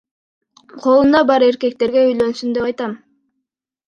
Колунда бар эркектерге үйлөнсүн деп айтам.